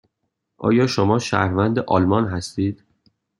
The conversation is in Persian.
آیا شما شهروند آلمان هستید؟